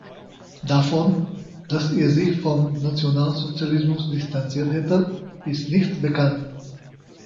Davon, dass er sich vom Nationalsozialismus distanziert hätte, ist nichts bekannt.